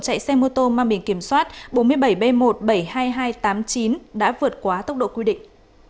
chạy xe mô tô mang biển kiểm soát bốn mươi bảy b một trăm bảy mươi hai nghìn hai trăm tám mươi chín đã vượt quá tốc độ quy định